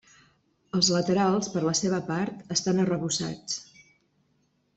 Els laterals, per la seva part, estan arrebossats.